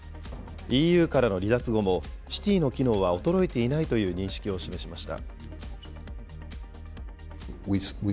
ＥＵからの離脱後も、シティの機能は衰えていないという認識を示しました。